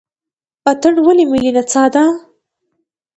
اتن ولې ملي نڅا ده؟